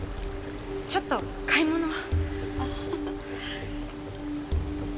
ちょっと買い物を。